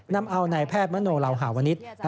นำเอานายแพทย์มโนลาวหาวนิษฐ์